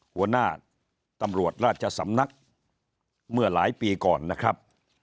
หัวหน้าตำรวจราชสำนักเมื่อหลายปีก่อนนะครับ